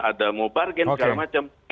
ada mau bargain segala macam